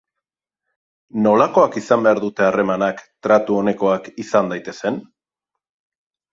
Nolakoak izan behar dute harremanak tratu onekoak izan daitezen?